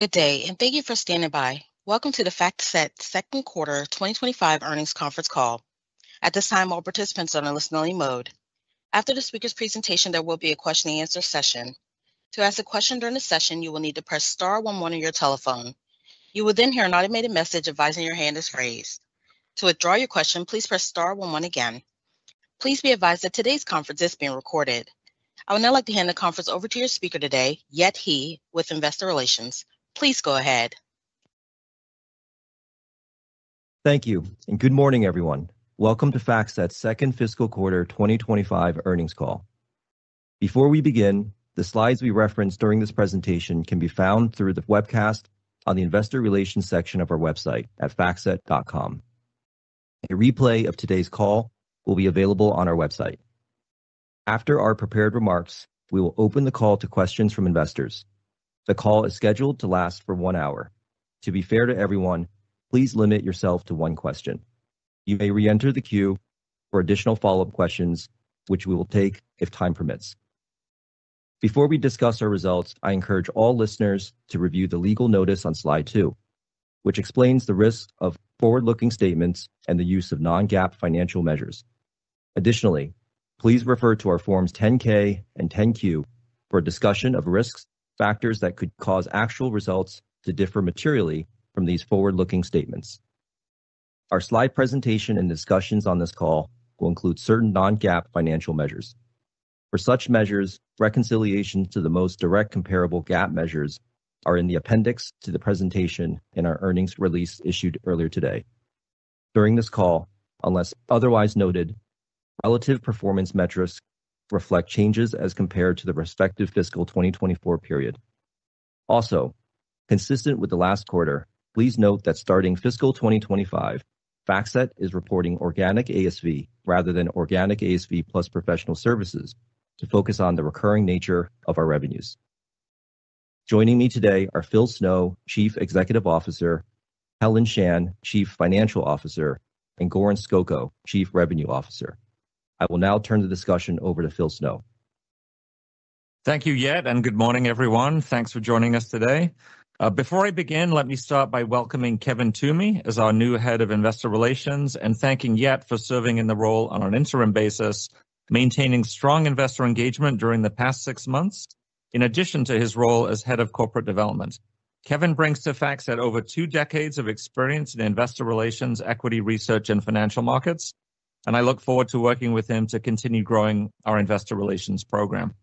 Good day, and thank you for standing by. Welcome to the FactSet second quarter 2025 earnings conference call. At this time, all participants are in a listening mode. After the speaker's presentation, there will be a question-and-answer session. To ask a question during the session, you will need to press star one one on your telephone. You will then hear an automated message advising your hand is raised. To withdraw your question, please press star one one again. Please be advised that today's conference is being recorded. I would now like to hand the conference over to your speaker today, Yet He, with Investor Relations. Please go ahead. Thank you, and good morning, everyone. Welcome to FactSet second fiscal quarter 2025 earnings call. Before we begin, the slides we referenced during this presentation can be found through the webcast on the Investor Relations section of our website at factset.com. A replay of today's call will be available on our website. After our prepared remarks, we will open the call to questions from investors. The call is scheduled to last for one hour. To be fair to everyone, please limit yourself to one question. You may re-enter the queue for additional follow-up questions, which we will take if time permits. Before we discuss our results, I encourage all listeners to review the legal notice on slide two, which explains the risk of forward-looking statements and the use of non-GAAP financial measures. Additionally, please refer to our Forms 10-K and 10-Q for a discussion of risks factors that could cause actual results to differ materially from these forward-looking statements. Our slide presentation and discussions on this call will include certain non-GAAP financial measures. For such measures, reconciliations to the most direct comparable GAAP measures are in the appendix to the presentation in our earnings release issued earlier today. During this call, unless otherwise noted, relative performance metrics reflect changes as compared to the respective fiscal 2024 period. Also, consistent with the last quarter, please note that starting fiscal 2025, FactSet is reporting organic ASV rather than organic ASV plus professional services to focus on the recurring nature of our revenues. Joining me today are Phil Snow, Chief Executive Officer, Helen Shan, Chief Financial Officer, and Goran Skoko, Chief Revenue Officer. I will now turn the discussion over to Phil Snow. Thank you, Yet, and good morning, everyone. Thanks for joining us today. Before I begin, let me start by welcoming Kevin Toomey as our new Head of Investor Relations and thanking Yet for serving in the role on an interim basis, maintaining strong investor engagement during the past six months, in addition to his role as Head of Corporate Development. Kevin brings to FactSet over two decades of experience in investor relations, equity research, and financial markets, and I look forward to working with him to continue growing our investor relations program.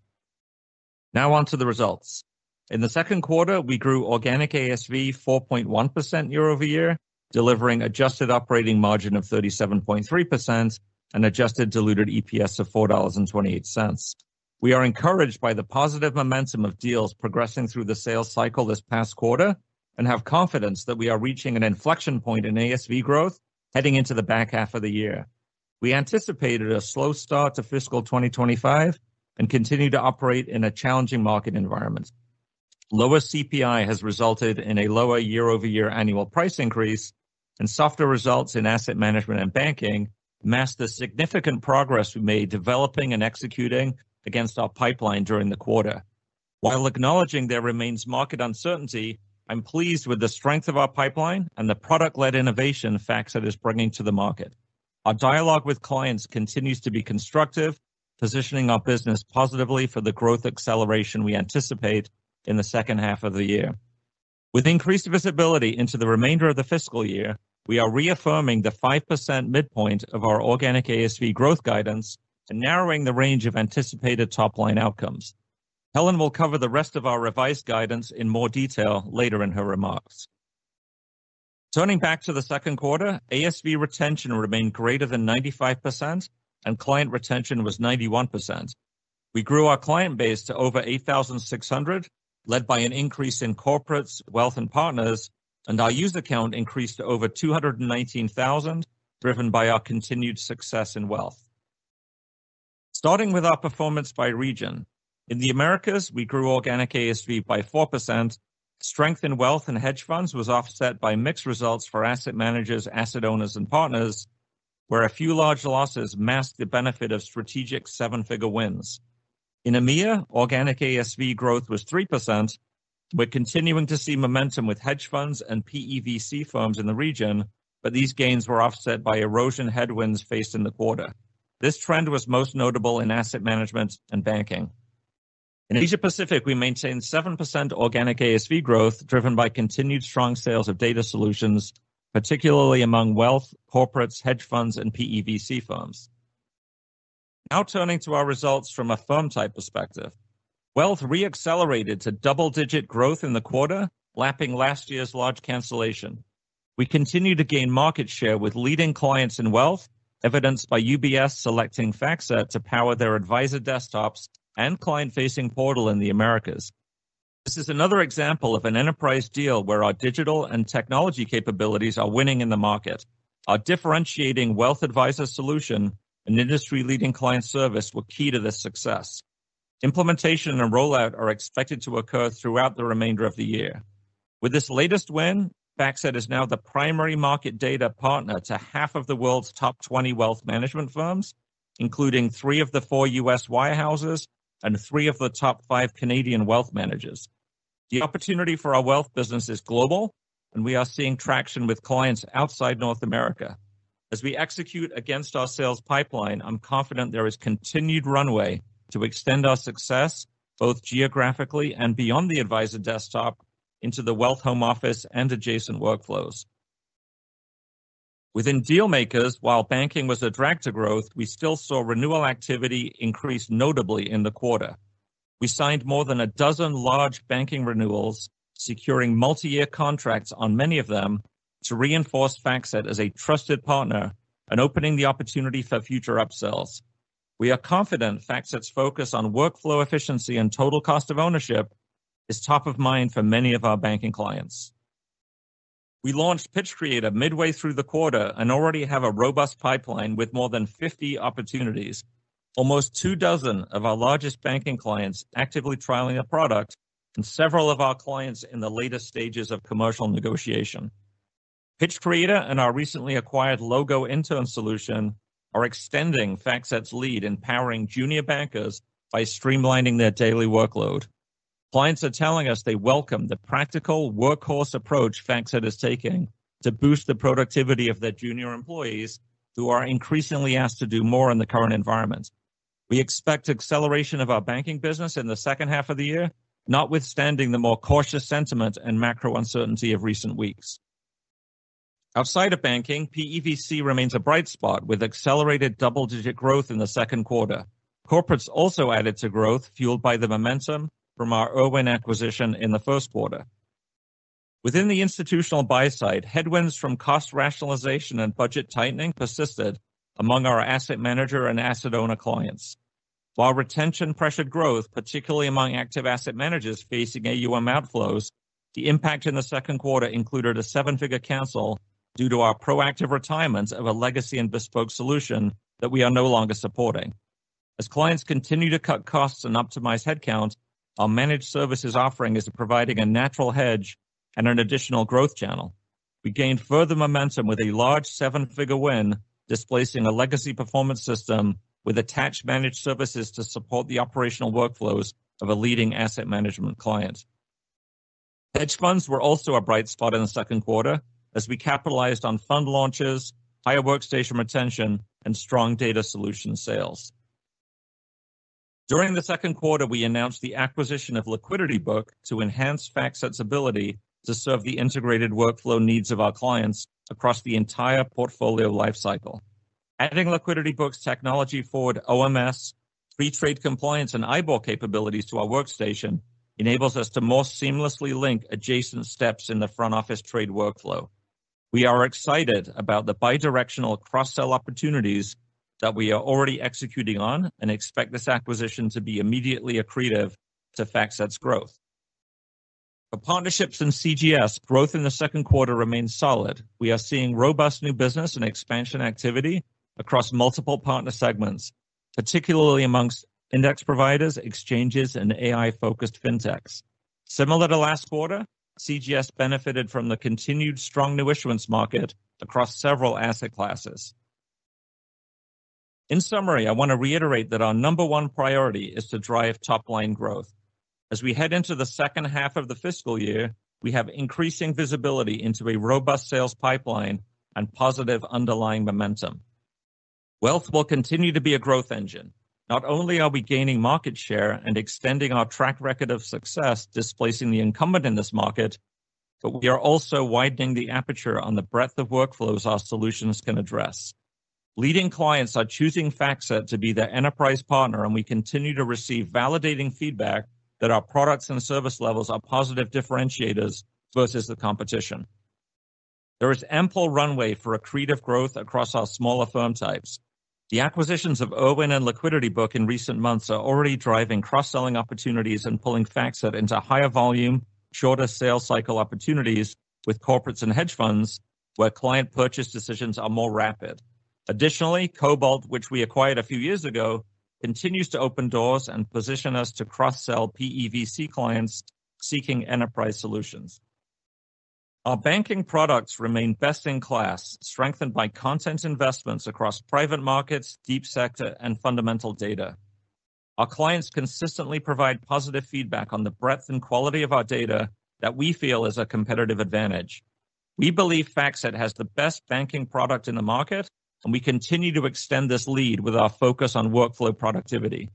Now on to the results. In the second quarter, we grew organic ASV 4.1% year over year, delivering adjusted operating margin of 37.3% and adjusted diluted EPS of $4.28. We are encouraged by the positive momentum of deals progressing through the sales cycle this past quarter and have confidence that we are reaching an inflection point in ASV growth heading into the back half of the year. We anticipated a slow start to fiscal 2025 and continue to operate in a challenging market environment. Lower CPI has resulted in a lower year-over-year annual price increase, and softer results in asset management and banking mask the significant progress we made developing and executing against our pipeline during the quarter. While acknowledging there remains market uncertainty, I'm pleased with the strength of our pipeline and the product-led innovation FactSet is bringing to the market. Our dialogue with clients continues to be constructive, positioning our business positively for the growth acceleration we anticipate in the second half of the year. With increased visibility into the remainder of the fiscal year, we are reaffirming the 5% midpoint of our organic ASV growth guidance and narrowing the range of anticipated top-line outcomes. Helen will cover the rest of our revised guidance in more detail later in her remarks. Turning back to the second quarter, ASV retention remained greater than 95%, and client retention was 91%. We grew our client base to over 8,600, led by an increase in corporates, wealth, and partners, and our user count increased to over 219,000, driven by our continued success in wealth. Starting with our performance by region, in the Americas, we grew organic ASV by 4%. Strength in wealth and hedge funds was offset by mixed results for asset managers, asset owners, and partners, where a few large losses masked the benefit of strategic seven-figure wins. In EMEA, organic ASV growth was 3%. We're continuing to see momentum with hedge funds and PE/VC firms in the region, but these gains were offset by erosion headwinds faced in the quarter. This trend was most notable in asset management and banking. In Asia-Pacific, we maintained 7% organic ASV growth, driven by continued strong sales of data solutions, particularly among wealth, corporates, hedge funds, and PE/VC firms. Now turning to our results from a firm-type perspective, wealth re-accelerated to double-digit growth in the quarter, lapping last year's large cancellation. We continue to gain market share with leading clients in wealth, evidenced by UBS selecting FactSet to power their advisor desktops and client-facing portal in the Americas. This is another example of an enterprise deal where our digital and technology capabilities are winning in the market. Our differentiating wealth advisor solution and industry-leading client service were key to this success. Implementation and rollout are expected to occur throughout the remainder of the year. With this latest win, FactSet is now the primary market data partner to half of the world's top 20 wealth management firms, including three of the four U.S. wirehouses and three of the top five Canadian wealth managers. The opportunity for our wealth business is global, and we are seeing traction with clients outside North America. As we execute against our sales pipeline, I'm confident there is continued runway to extend our success, both geographically and beyond the advisor desktop, into the wealth home office and adjacent workflows. Within dealmakers, while banking was a drag to growth, we still saw renewal activity increase notably in the quarter. We signed more than a dozen large banking renewals, securing multi-year contracts on many of them to reinforce FactSet as a trusted partner and opening the opportunity for future upsells. We are confident FactSet's focus on workflow efficiency and total cost of ownership is top of mind for many of our banking clients. We launched Pitch Creator midway through the quarter and already have a robust pipeline with more than 50 opportunities, almost two dozen of our largest banking clients actively trialing the product, and several of our clients in the latest stages of commercial negotiation. Pitch Creator and our recently acquired LogoIntern Solution are extending FactSet's lead, empowering junior bankers by streamlining their daily workload. Clients are telling us they welcome the practical, workhorse approach FactSet is taking to boost the productivity of their junior employees, who are increasingly asked to do more in the current environment. We expect acceleration of our banking business in the second half of the year, notwithstanding the more cautious sentiment and macro uncertainty of recent weeks. Outside of banking, PEVC remains a bright spot with accelerated double-digit growth in the second quarter. Corporates also added to growth, fueled by the momentum from our Irwin acquisition in the first quarter. Within the institutional buy side, headwinds from cost rationalization and budget tightening persisted among our asset manager and asset owner clients. While retention pressured growth, particularly among active asset managers facing AUM outflows, the impact in the second quarter included a seven-figure cancel due to our proactive retirements of a legacy and bespoke solution that we are no longer supporting. As clients continue to cut costs and optimize headcount, our managed services offering is providing a natural hedge and an additional growth channel. We gained further momentum with a large seven-figure win, displacing a legacy performance system with attached managed services to support the operational workflows of a leading asset management client. Hedge funds were also a bright spot in the second quarter, as we capitalized on fund launches, higher Workstation retention, and strong data solution sales. During the second quarter, we announced the acquisition of LiquidityBook to enhance FactSet's ability to serve the integrated workflow needs of our clients across the entire Portfolio Lifecycle. Adding LiquidityBook's technology-forward OMS, pre-trade compliance, and IBOR capabilities to our Workstation enables us to more seamlessly link adjacent steps in the front office trade workflow. We are excited about the bidirectional cross-sell opportunities that we are already executing on and expect this acquisition to be immediately accretive to FactSet's growth. For partnerships and CGS, growth in the second quarter remained solid. We are seeing robust new business and expansion activity across multiple partner segments, particularly amongst index providers, exchanges, and AI-focused fintechs. Similar to last quarter, CGS benefited from the continued strong new issuance market across several asset classes. In summary, I want to reiterate that our number one priority is to drive top-line growth. As we head into the second half of the fiscal year, we have increasing visibility into a robust sales pipeline and positive underlying momentum. Wealth will continue to be a growth engine. Not only are we gaining market share and extending our track record of success displacing the incumbent in this market, but we are also widening the aperture on the breadth of workflows our solutions can address. Leading clients are choosing FactSet to be their enterprise partner, and we continue to receive validating feedback that our products and service levels are positive differentiators versus the competition. There is ample runway for accretive growth across our smaller firm types. The acquisitions of Irwin and LiquidityBook in recent months are already driving cross-selling opportunities and pulling FactSet into higher volume, shorter sales cycle opportunities with corporates and hedge funds, where client purchase decisions are more rapid. Additionally, Cobalt, which we acquired a few years ago, continues to open doors and position us to cross-sell PEVC clients seeking enterprise solutions. Our banking products remain best in class, strengthened by content investments across private markets, Deep Sector, and fundamental data. Our clients consistently provide positive feedback on the breadth and quality of our data that we feel is a competitive advantage. We believe FactSet has the best banking product in the market, and we continue to extend this lead with our focus on workflow productivity.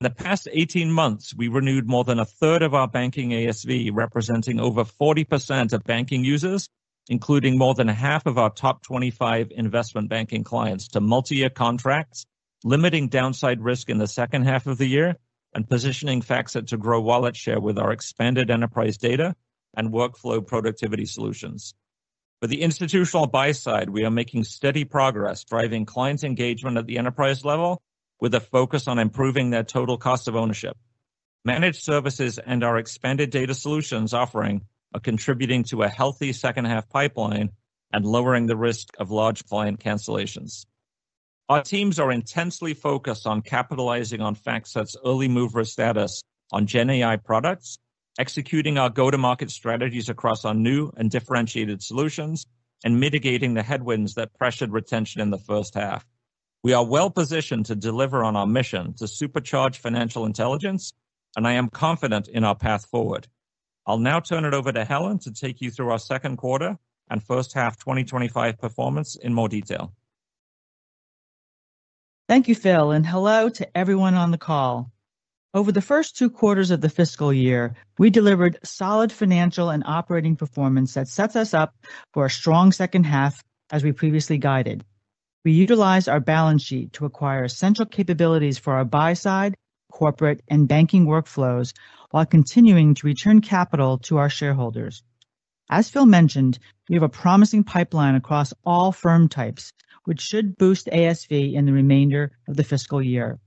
In the past 18 months, we renewed more than a third of our banking ASV, representing over 40% of banking users, including more than half of our top 25 investment banking clients, to multi-year contracts, limiting downside risk in the second half of the year and positioning FactSet to grow wallet share with our expanded enterprise data and workflow productivity solutions. For the institutional buy side, we are making steady progress, driving client engagement at the enterprise level with a focus on improving their total cost of ownership. Managed services and our expanded data solutions offering are contributing to a healthy second-half pipeline and lowering the risk of large client cancellations. Our teams are intensely focused on capitalizing on FactSet's early mover status on GenAI products, executing our go-to-market strategies across our new and differentiated solutions, and mitigating the headwinds that pressured retention in the first half. We are well-positioned to deliver on our mission to supercharge financial intelligence, and I am confident in our path forward. I'll now turn it over to Helen to take you through our second quarter and first half 2025 performance in more detail. Thank you, Phil, and hello to everyone on the call. Over the first two quarters of the fiscal year, we delivered solid financial and operating performance that sets us up for a strong second half, as we previously guided. We utilize our balance sheet to acquire essential capabilities for our buy side, corporate, and banking workflows while continuing to return capital to our shareholders. As Phil mentioned, we have a promising pipeline across all firm types, which should boost ASV in the remainder of the fiscal year.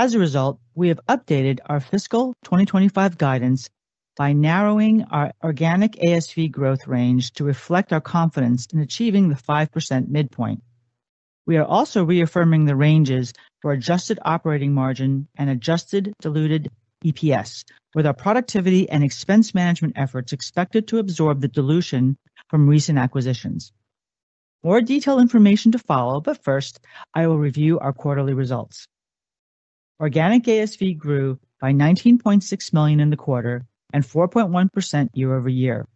As a result, we have updated our fiscal 2025 guidance by narrowing our organic ASV growth range to reflect our confidence in achieving the 5% midpoint. We are also reaffirming the ranges for adjusted operating margin and adjusted diluted EPS, with our productivity and expense management efforts expected to absorb the dilution from recent acquisitions. More detailed information to follow, but first, I will review our quarterly results. Organic ASV grew by $19.6 million in the quarter and 4.1% year-over-year.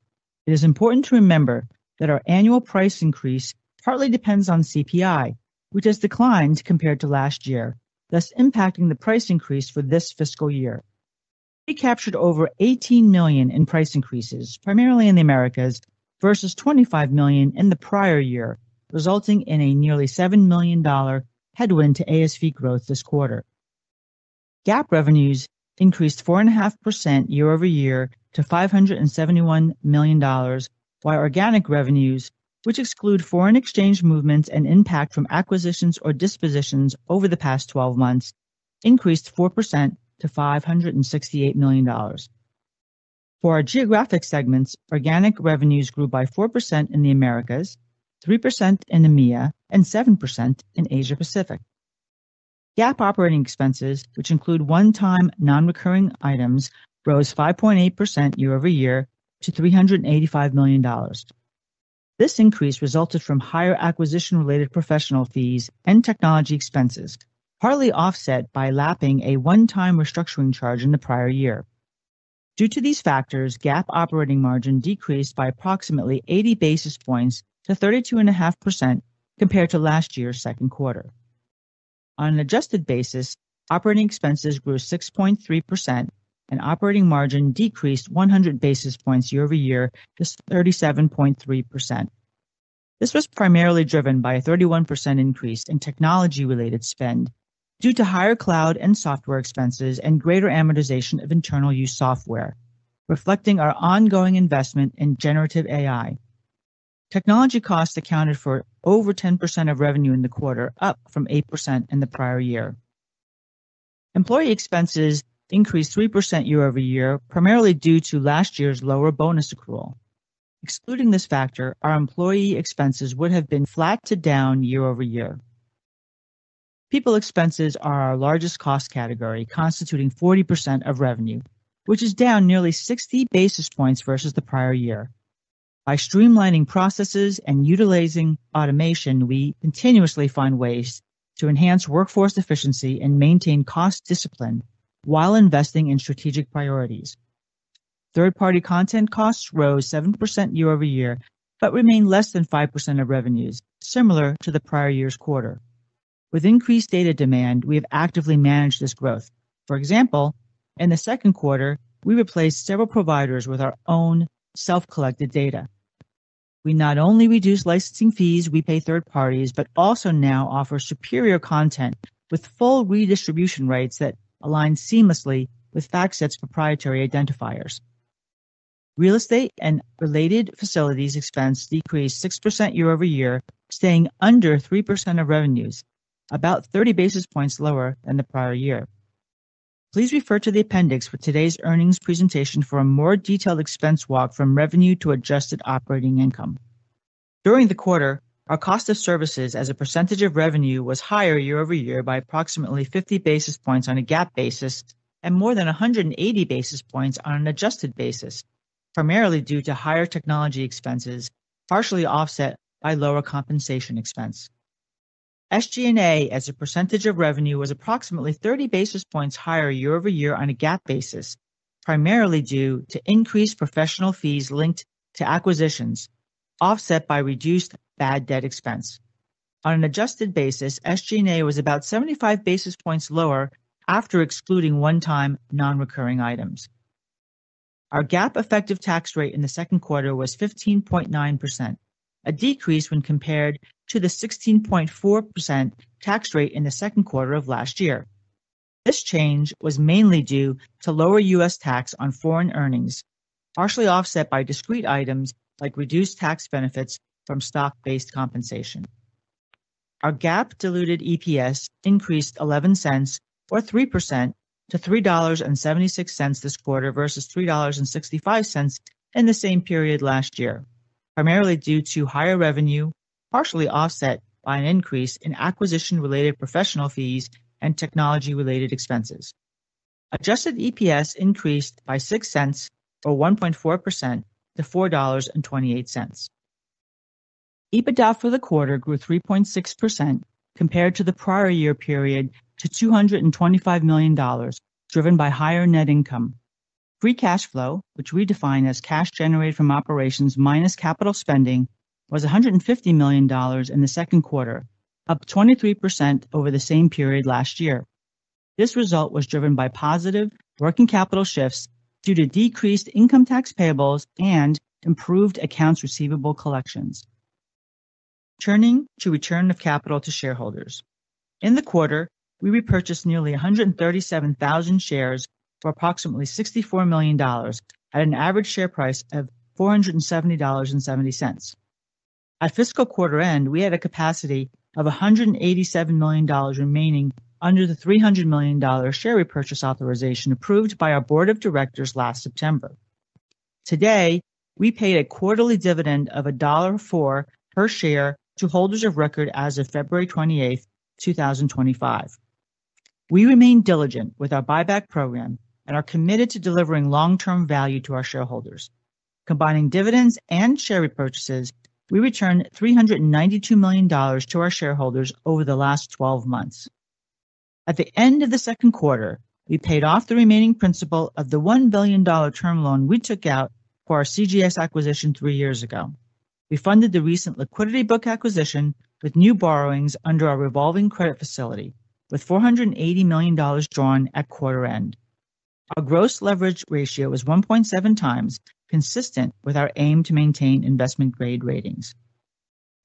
It is important to remember that our annual price increase partly depends on CPI, which has declined compared to last year, thus impacting the price increase for this fiscal year. We captured over $18 million in price increases, primarily in the Americas, versus $25 million in the prior year, resulting in a nearly $7 million headwind to ASV growth this quarter. GAAP revenues increased 4.5% year-over-year to $571 million, while organic revenues, which exclude foreign exchange movements and impact from acquisitions or dispositions over the past 12 months, increased 4% to $568 million. For our geographic segments, organic revenues grew by 4% in the Americas, 3% in EMEA, and 7% in Asia-Pacific. GAAP operating expenses, which include one-time non-recurring items, rose 5.8% year-over-year to $385 million. This increase resulted from higher acquisition-related professional fees and technology expenses, partly offset by lapping a one-time restructuring charge in the prior year. Due to these factors, GAAP operating margin decreased by approximately 80 basis points to 32.5% compared to last year's second quarter. On an adjusted basis, operating expenses grew 6.3%, and operating margin decreased 100 basis points year-over-year to 37.3%. This was primarily driven by a 31% increase in technology-related spend due to higher cloud and software expenses and greater amortization of internal-use software, reflecting our ongoing investment in generative AI. Technology costs accounted for over 10% of revenue in the quarter, up from 8% in the prior year. Employee expenses increased 3% year-over-year, primarily due to last year's lower bonus accrual. Excluding this factor, our employee expenses would have been flat to down year-over-year. People expenses are our largest cost category, constituting 40% of revenue, which is down nearly 60 basis points versus the prior year. By streamlining processes and utilizing automation, we continuously find ways to enhance workforce efficiency and maintain cost discipline while investing in strategic priorities. Third-party content costs rose 7% year-over-year but remain less than 5% of revenues, similar to the prior year's quarter. With increased data demand, we have actively managed this growth. For example, in the second quarter, we replaced several providers with our own self-collected data. We not only reduce licensing fees we pay third parties, but also now offer superior content with full redistribution rates that align seamlessly with FactSet's proprietary identifiers. Real estate and related facilities expense decreased 6% year-over-year, staying under 3% of revenues, about 30 basis points lower than the prior year. Please refer to the appendix for today's earnings presentation for a more detailed expense walk from revenue to adjusted operating income. During the quarter, our cost of services as a percentage of revenue was higher year-over-year by approximately 50 basis points on a GAAP basis and more than 180 basis points on an adjusted basis, primarily due to higher technology expenses, partially offset by lower compensation expense. SG&A as a percentage of revenue was approximately 30 basis points higher year-over-year on a GAAP basis, primarily due to increased professional fees linked to acquisitions, offset by reduced bad debt expense. On an adjusted basis, SG&A was about 75 basis points lower after excluding one-time non-recurring items. Our GAAP effective tax rate in the second quarter was 15.9%, a decrease when compared to the 16.4% tax rate in the second quarter of last year. This change was mainly due to lower U.S. tax on foreign earnings, partially offset by discrete items like reduced tax benefits from stock-based compensation. Our GAAP diluted EPS increased $0.11 or 3% to $3.76 this quarter versus $3.65 in the same period last year, primarily due to higher revenue, partially offset by an increase in acquisition-related professional fees and technology-related expenses. Adjusted EPS increased by $0.6 cents or 1.4% to $4.28. EBITDA for the quarter grew 3.6% compared to the prior year period to $225 million, driven by higher net income. Free cash flow, which we define as cash generated from operations minus capital spending, was $150 million in the second quarter, up 23% over the same period last year. This result was driven by positive working capital shifts due to decreased income tax payables and improved accounts receivable collections. Turning to return of capital to shareholders. In the quarter, we repurchased nearly 137,000 shares for approximately $64 million at an average share price of $470.70. At fiscal quarter end, we had a capacity of $187 million remaining under the $300 million share repurchase authorization approved by our board of directors last September. Today, we paid a quarterly dividend of $1.04 per share to holders of record as of February 28, 2025. We remain diligent with our buyback program and are committed to delivering long-term value to our shareholders. Combining dividends and share repurchases, we returned $392 million to our shareholders over the last 12 months. At the end of the second quarter, we paid off the remaining principal of the $1 billion term loan we took out for our CGS acquisition three years ago. We funded the recent LiquidityBook acquisition with new borrowings under our revolving credit facility, with $480 million drawn at quarter end. Our gross leverage ratio was 1.7 times, consistent with our aim to maintain investment-grade ratings.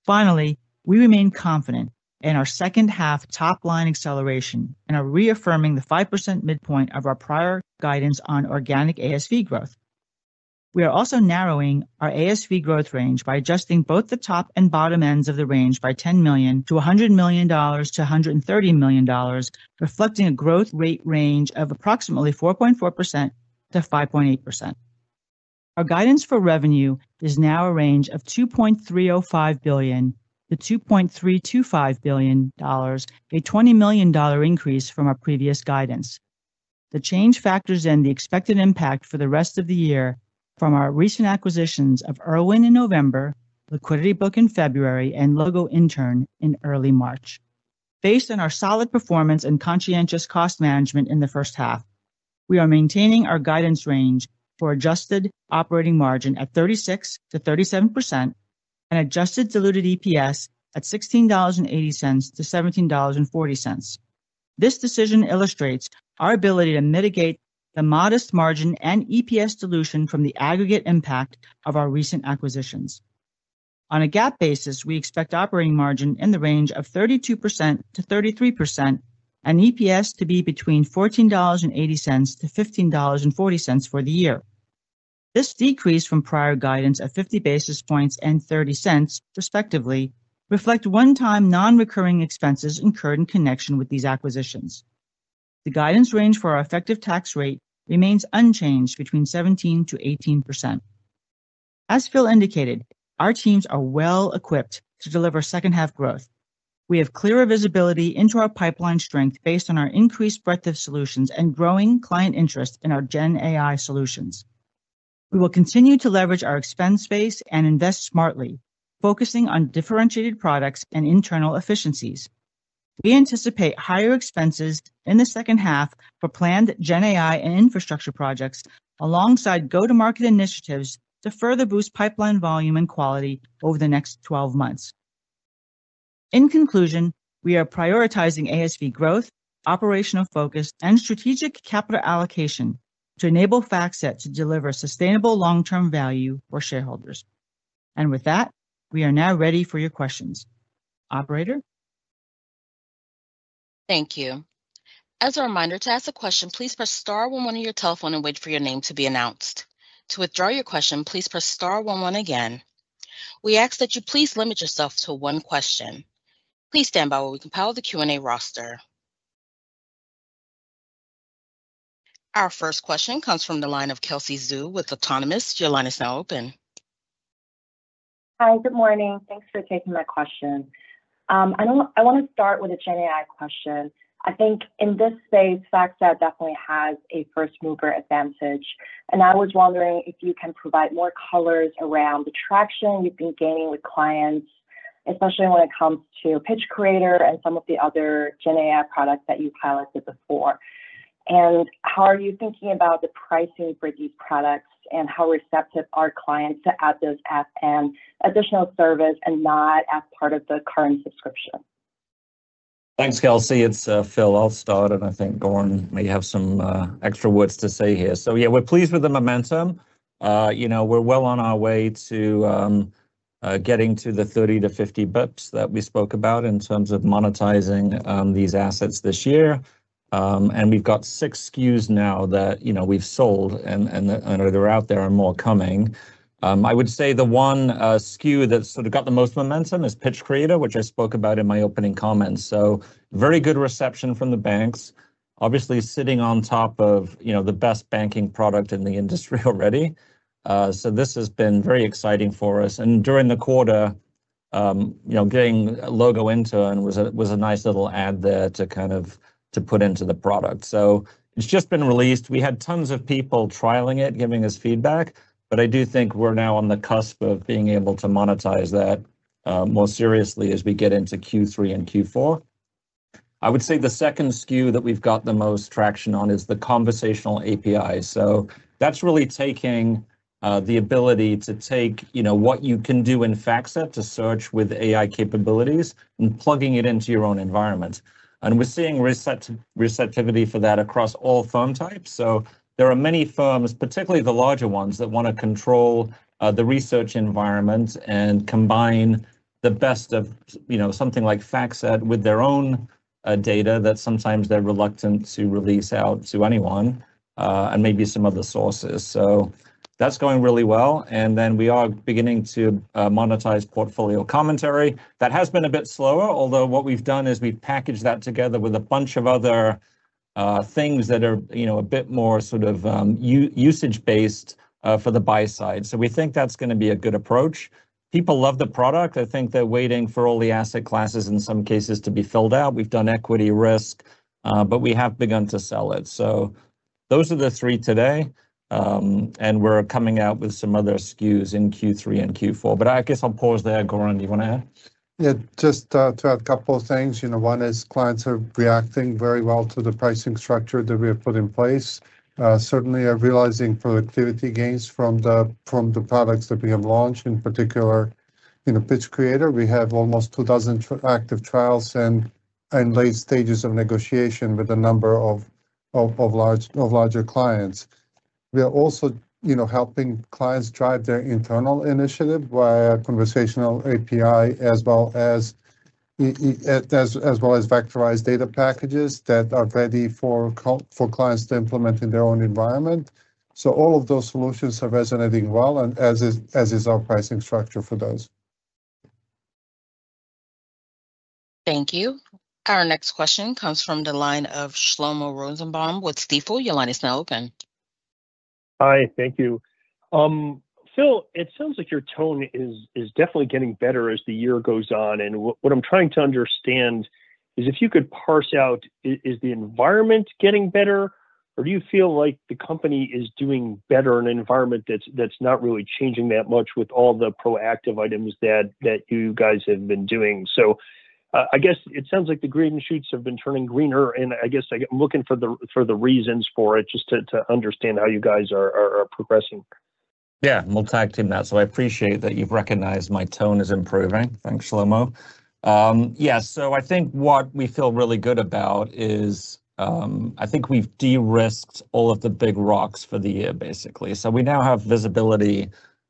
Finally, we remain confident in our second-half top-line acceleration and are reaffirming the 5% midpoint of our prior guidance on organic ASV growth. We are also narrowing our ASV growth range by adjusting both the top and bottom ends of the range by $10 million to $100 million-$130 million, reflecting a growth rate range of approximately 4.4%-5.8%. Our guidance for revenue is now a range of $2.305 billion-$2.325 billion, a $20 million increase from our previous guidance. The change factors in the expected impact for the rest of the year from our recent acquisitions of Irwin in November, LiquidityBook in February, and LogoIntern in early March. Based on our solid performance and conscientious cost management in the first half, we are maintaining our guidance range for adjusted operating margin at 36%-37% and adjusted diluted EPS at $16.80-$17.40. This decision illustrates our ability to mitigate the modest margin and EPS dilution from the aggregate impact of our recent acquisitions. On a GAAP basis, we expect operating margin in the range of 32%-33% and EPS to be between $14.80 and $15.40 for the year. This decrease from prior guidance of 50 basis points and $0.30, respectively, reflects one-time non-recurring expenses incurred in connection with these acquisitions. The guidance range for our effective tax rate remains unchanged between 17%-18%. As Phil indicated, our teams are well-equipped to deliver second-half growth. We have clearer visibility into our pipeline strength based on our increased breadth of solutions and growing client interest in our GenAI solutions. We will continue to leverage our expense base and invest smartly, focusing on differentiated products and internal efficiencies. We anticipate higher expenses in the second half for planned GenAI and infrastructure projects alongside go-to-market initiatives to further boost pipeline volume and quality over the next 12 months. In conclusion, we are prioritizing ASV growth, operational focus, and strategic capital allocation to enable FactSet to deliver sustainable long-term value for shareholders. With that, we are now ready for your questions. Operator? Thank you. As a reminder, to ask a question, please press star one one on your telephone and wait for your name to be announced. To withdraw your question, please press star one one again. We ask that you please limit yourself to one question. Please stand by while we compile the Q&A roster. Our first question comes from the line of Kelsey Zhu with Autonomous. Your line is now open. Hi, good morning. Thanks for taking my question. I want to start with a GenAI question. I think in this space, FactSet definitely has a first-mover advantage. I was wondering if you can provide more colors around the traction you've been gaining with clients, especially when it comes to Pitch Creator and some of the other GenAI products that you've highlighted before. How are you thinking about the pricing for these products and how receptive are clients to add those as an additional service and not as part of the current subscription? Thanks, Kelsey. It's Phil Snow, and I think Goran may have some extra words to say here. Yeah, we're pleased with the momentum. You know, we're well on our way to getting to the 30-50 basis points that we spoke about in terms of monetizing these assets this year. We've got six SKUs now that we've sold, and they're out there and more coming. I would say the one SKU that sort of got the most momentum is Pitch Creator, which I spoke about in my opening comments. Very good reception from the banks, obviously sitting on top of the best banking product in the industry already. This has been very exciting for us. During the quarter, getting LogoIntern was a nice little add there to kind of put into the product. It has just been released. We had tons of people trialing it, giving us feedback, but I do think we're now on the cusp of being able to monetize that more seriously as we get into Q3 and Q4. I would say the second SKU that we've got the most traction on is the Conversational API. That is really taking the ability to take what you can do in FactSet to search with AI capabilities and plugging it into your own environment. We are seeing receptivity for that across all firm types. There are many firms, particularly the larger ones, that want to control the research environment and combine the best of something like FactSet with their own data that sometimes they are reluctant to release out to anyone and maybe some other sources. That is going really well. We are beginning to monetize portfolio commentary. That has been a bit slower, although what we have done is we have packaged that together with a bunch of other things that are a bit more sort of usage-based for the buy side. We think that is going to be a good approach. People love the product. I think they're waiting for all the asset classes in some cases to be filled out. We've done equity risk, but we have begun to sell it. Those are the three today, and we're coming out with some other SKUs in Q3 and Q4. I guess I'll pause there. Goran, do you want to add? Yeah, just to add a couple of things. One is clients are reacting very well to the pricing structure that we have put in place. Certainly, I'm realizing productivity gains from the products that we have launched, in particular in Pitch Creator. We have almost two dozen active trials and late stages of negotiation with a number of larger clients. We are also helping clients drive their internal initiative via Conversational API as well as vectorized data packages that are ready for clients to implement in their own environment. All of those solutions are resonating well, and as is our pricing structure for those. Thank you. Our next question comes from the line of Shlomo Rosenbaum with Stifel. Your line is now open. Hi, thank you. Phil, it sounds like your tone is definitely getting better as the year goes on. What I'm trying to understand is if you could parse out, is the environment getting better, or do you feel like the company is doing better in an environment that's not really changing that much with all the proactive items that you guys have been doing? I guess it sounds like the green shoots have been turning greener, and I guess I'm looking for the reasons for it just to understand how you guys are progressing. Yeah, I'm all tacked in that. I appreciate that you've recognized my tone is improving. Thanks, Shlomo. Yeah, I think what we feel really good about is I think we've de-risked all of the big rocks for the year, basically. We now have visibility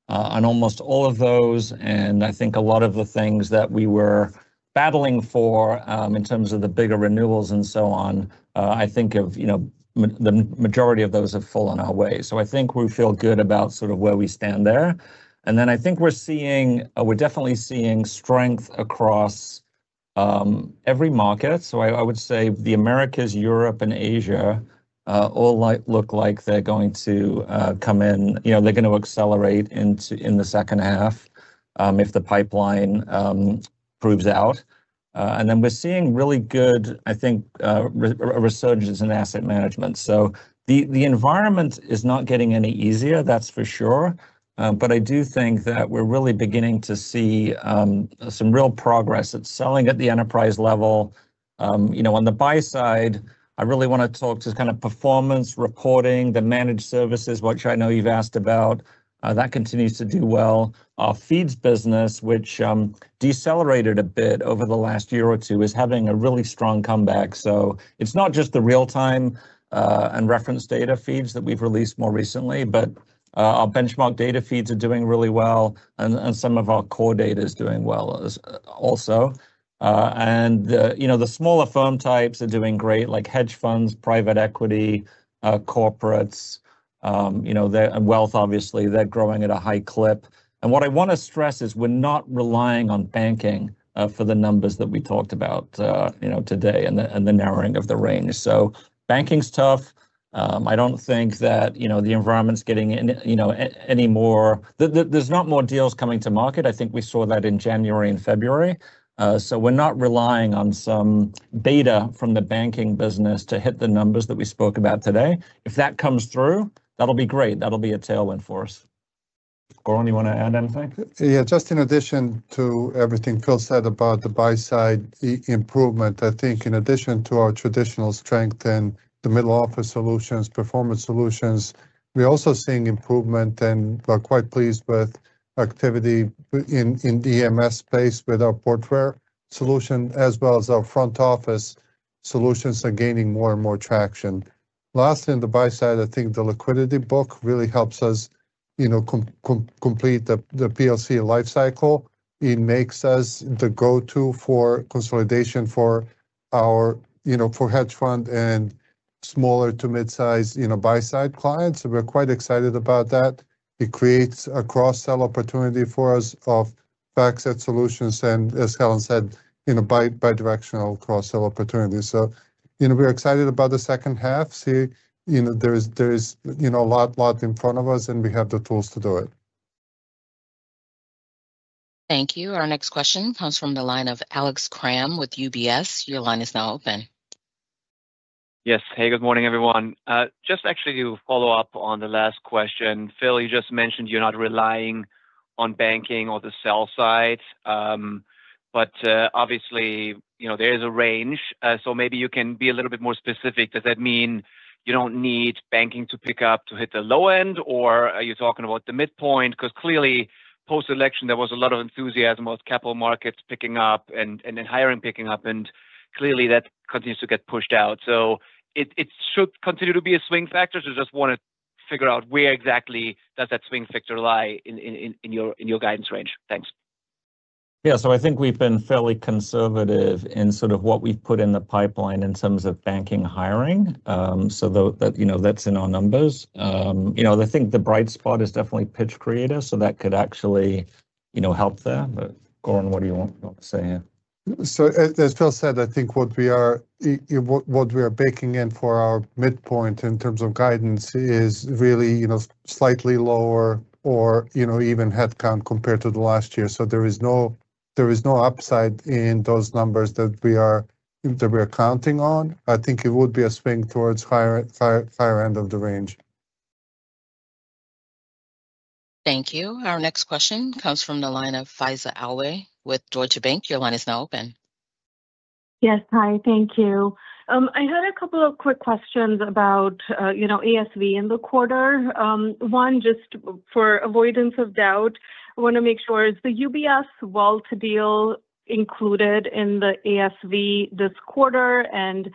on almost all of those. I think a lot of the things that we were battling for in terms of the bigger renewals and so on, I think the majority of those have fallen our way. I think we feel good about sort of where we stand there. I think we're seeing, we're definitely seeing strength across every market. I would say the Americas, Europe, and Asia all look like they're going to come in. They're going to accelerate in the second half if the pipeline proves out. We're seeing really good, I think, resurgence in asset management. The environment is not getting any easier, that's for sure. I do think that we're really beginning to see some real progress at selling at the enterprise level. On the buy side, I really want to talk to kind of performance reporting, the managed services, which I know you've asked about. That continues to do well. Our feeds business, which decelerated a bit over the last year or two, is having a really strong comeback. It is not just the real-time and reference data feeds that we've released more recently, but our benchmark data feeds are doing really well, and some of our core data is doing well also. The smaller firm types are doing great, like hedge funds, private equity, corporates. Wealth, obviously, they're growing at a high clip. What I want to stress is we're not relying on banking for the numbers that we talked about today and the narrowing of the range. Banking's tough. I don't think that the environment's getting any more, there's not more deals coming to market. I think we saw that in January and February. We're not relying on some data from the banking business to hit the numbers that we spoke about today. If that comes through, that'll be great. That'll be a tailwind for us. Goran, do you want to add anything? Yeah, just in addition to everything Phil said about the buy side improvement, I think in addition to our traditional strength in the middle office solutions, performance solutions, we're also seeing improvement and we're quite pleased with activity in the EMS space with our portfolio solution, as well as our front office solutions are gaining more and more traction. Lastly, on the buy side, I think the LiquidityBook really helps us complete the PLC Lifecycle. It makes us the go-to for consolidation for our hedge fund and smaller to mid-size buy side clients. We're quite excited about that. It creates a cross-sell opportunity for us of FactSet solutions and, as Helen said, bidirectional cross-sell opportunities. We're excited about the second half. There is a lot in front of us, and we have the tools to do it. Thank you. Our next question comes from the line of Alex Kramm with UBS. Your line is now open. Yes. Hey, good morning, everyone. Just actually to follow up on the last question, Phil, you just mentioned you're not relying on banking or the sell side. Obviously, there is a range. Maybe you can be a little bit more specific. Does that mean you don't need banking to pick up to hit the low end, or are you talking about the midpoint? Because clearly, post-election, there was a lot of enthusiasm with capital markets picking up and hiring picking up. Clearly, that continues to get pushed out. It should continue to be a swing factor. I just want to figure out where exactly does that swing factor lie in your guidance range. Thanks. Yeah, I think we've been fairly conservative in sort of what we've put in the pipeline in terms of banking hiring. That is in our numbers. I think the bright spot is definitely Pitch Creator, so that could actually help there. Goran, what do you want to say here? As Phil said, I think what we are baking in for our midpoint in terms of guidance is really slightly lower or even headcount compared to last year. There is no upside in those numbers that we are counting on. I think it would be a swing towards higher end of the range. Thank you. Our next question comes from the line of Faiza Alwy with Deutsche Bank. Your line is now open. Yes, hi. Thank you. I had a couple of quick questions about ASV in the quarter. One, just for avoidance of doubt, I want to make sure, is the UBS wealth deal included in the ASV this quarter? And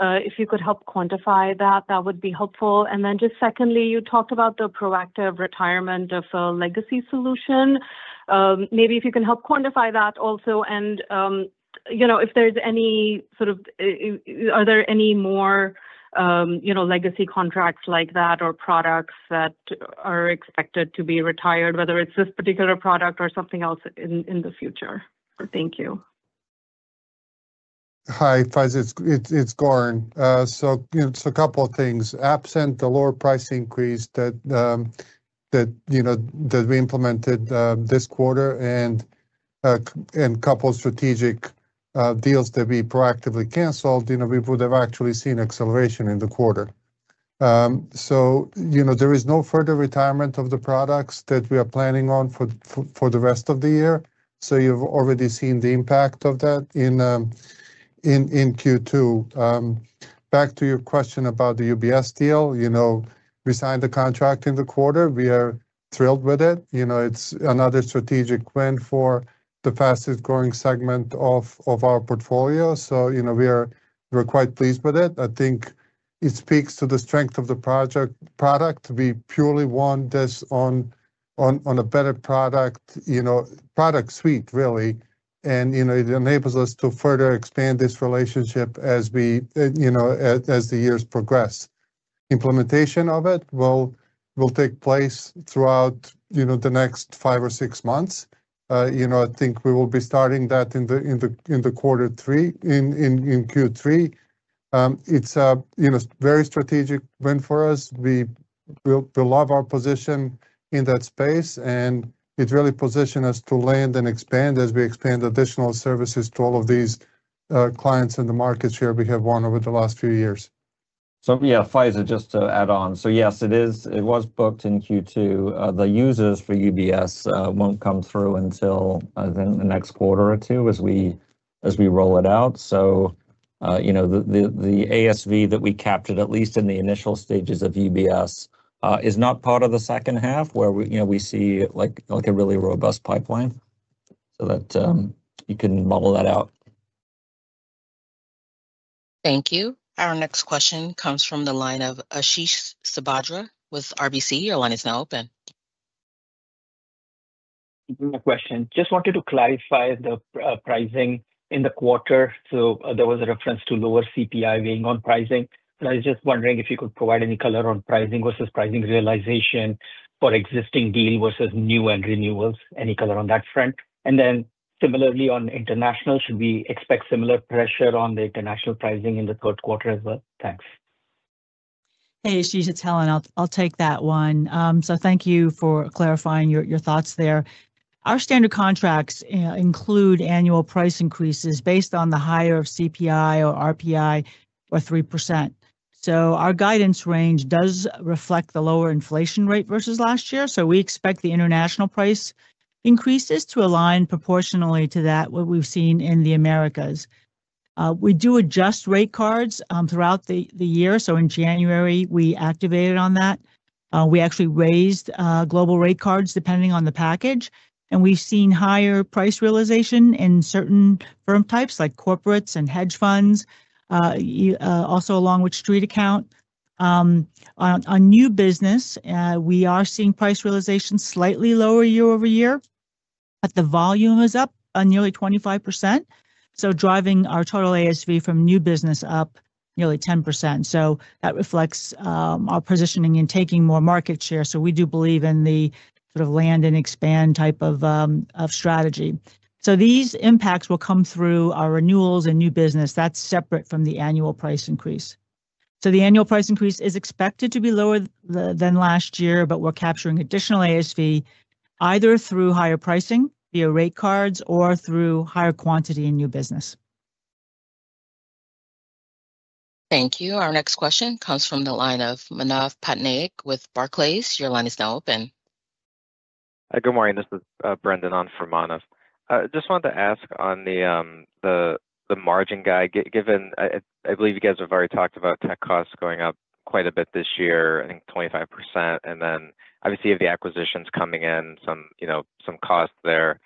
if you could help quantify that, that would be helpful. And then just secondly, you talked about the proactive retirement of a legacy solution. Maybe if you can help quantify that also. And if there's any sort of are there any more legacy contracts like that or products that are expected to be retired, whether it's this particular product or something else in the future? Thank you. Hi, Faiza. It's Goran. So a couple of things. Absent the lower price increase that we implemented this quarter and a couple of strategic deals that we proactively canceled, we would have actually seen acceleration in the quarter. There is no further retirement of the products that we are planning on for the rest of the year. You have already seen the impact of that in Q2. Back to your question about the UBS deal, we signed the contract in the quarter. We are thrilled with it. It is another strategic win for the fastest-growing segment of our portfolio. We are quite pleased with it. I think it speaks to the strength of the product. We purely want this on a better product suite, really. It enables us to further expand this relationship as the years progress. Implementation of it will take place throughout the next five or six months. I think we will be starting that in quarter three, in Q3. It's a very strategic win for us. We love our position in that space, and it really positioned us to land and expand as we expand additional services to all of these clients and the markets here we have won over the last few years. Yeah, Faiza, just to add on. Yes, it was booked in Q2. The users for UBS won't come through until the next quarter or two as we roll it out. The ASV that we captured, at least in the initial stages of UBS, is not part of the second half where we see a really robust pipeline. You can model that out. Thank you. Our next question comes from the line of Ashish Sabadra with RBC. Your line is now open. Good morning, question. Just wanted to clarify the pricing in the quarter. There was a reference to lower CPI weighing on pricing. I was just wondering if you could provide any color on pricing versus pricing realization for existing deal versus new and renewals, any color on that front. Similarly, on international, should we expect similar pressure on the international pricing in the third quarter as well? Thanks. Hey, Ashish, it's Helen. I'll take that one. Thank you for clarifying your thoughts there. Our standard contracts include annual price increases based on the higher CPI or RPI or 3%. Our guidance range does reflect the lower inflation rate versus last year. We expect the international price increases to align proportionally to that, what we've seen in the Americas. We do adjust rate cards throughout the year. In January, we activated on that. We actually raised global rate cards depending on the package. And we've seen higher price realization in certain firm types like corporates and hedge funds, also along with StreetAccount. On new business, we are seeing price realization slightly lower year-over-year, but the volume is up nearly 25%. Driving our total ASV from new business up nearly 10%. That reflects our positioning in taking more market share. We do believe in the sort of land and expand type of strategy. These impacts will come through our renewals and new business. That's separate from the annual price increase. The annual price increase is expected to be lower than last year, but we're capturing additional ASV either through higher pricing via rate cards or through higher quantity in new business. Thank you. Our next question comes from the line of Manav Patnaik with Barclays. Your line is now open. Hi, good morning. This is Brendan on for Manav. Just wanted to ask on the margin guide, given I believe you guys have already talked about tech costs going up quite a bit this year, I think 25%. Obviously, you have the acquisitions coming in, some cost there.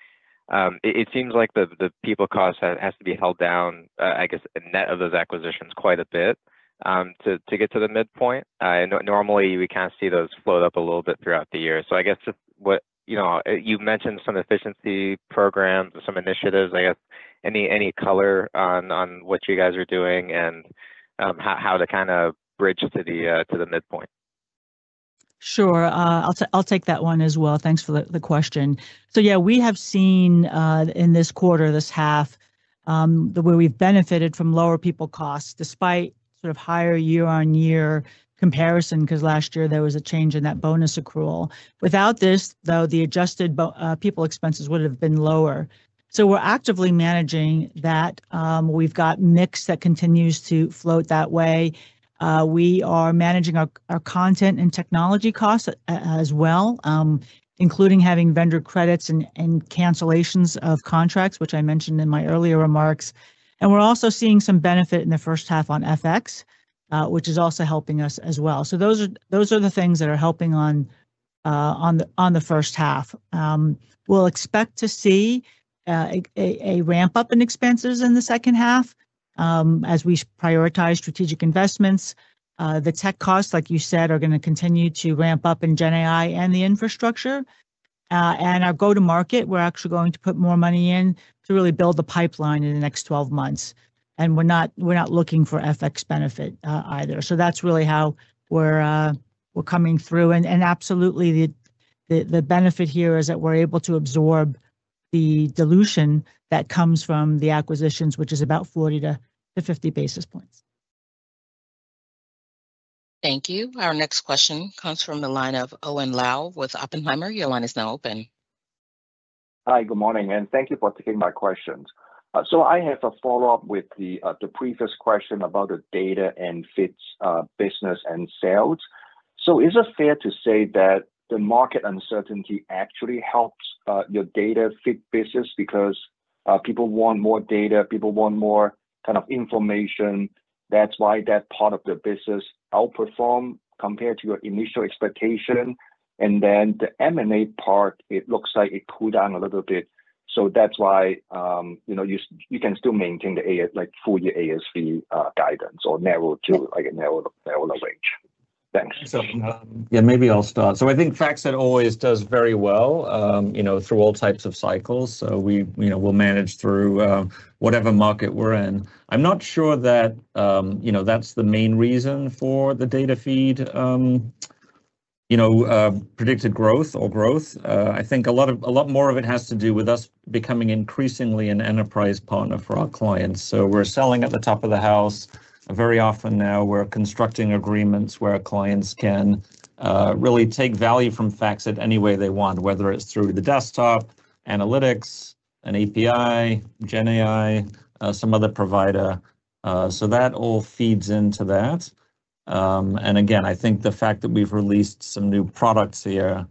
It seems like the people cost has to be held down, I guess, a net of those acquisitions quite a bit to get to the midpoint. Normally, we kind of see those float up a little bit throughout the year. I guess you've mentioned some efficiency programs, some initiatives. I guess any color on what you guys are doing and how to kind of bridge to the midpoint? Sure. I'll take that one as well. Thanks for the question. Yeah, we have seen in this quarter, this half, where we've benefited from lower people costs despite sort of higher year-on-year comparison because last year there was a change in that bonus accrual. Without this, though, the adjusted people expenses would have been lower. We're actively managing that. We've got mix that continues to float that way. We are managing our content and technology costs as well, including having vendor credits and cancellations of contracts, which I mentioned in my earlier remarks. We're also seeing some benefit in the first half on FX, which is also helping us as well. Those are the things that are helping on the first half. We'll expect to see a ramp-up in expenses in the second half as we prioritize strategic investments. The tech costs, like you said, are going to continue to ramp up in GenAI and the infrastructure. Our go-to-market, we're actually going to put more money in to really build the pipeline in the next 12 months. We're not looking for FX benefit either. That's really how we're coming through. Absolutely, the benefit here is that we're able to absorb the dilution that comes from the acquisitions, which is about 40-50 basis points. Thank you. Our next question comes from the line of Owen Lau with Oppenheimer. Your line is now open. Hi, good morning, and thank you for taking my questions. I have a follow-up with the previous question about the data and feeds business and sales. Is it fair to say that the market uncertainty actually helps your data feed business because people want more data, people want more kind of information? That's why that part of the business outperformed compared to your initial expectation. The M&A part, it looks like it cooled down a little bit. That's why you can still maintain the full year ASV guidance or narrow to a narrower range. Thanks. Yeah, maybe I'll start. I think FactSet always does very well through all types of cycles. We'll manage through whatever market we're in. I'm not sure that that's the main reason for the data feed predicted growth or growth. I think a lot more of it has to do with us becoming increasingly an enterprise partner for our clients. We're selling at the top of the house. Very often now, we're constructing agreements where clients can really take value from FactSet any way they want, whether it's through the desktop, analytics, an API, GenAI, some other provider. That all feeds into that. I think the fact that we've released some new products here